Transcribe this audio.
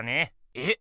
えっ？